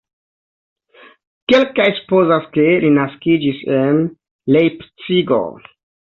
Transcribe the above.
Kelkaj supozas, ke li naskiĝis en Lejpcigo.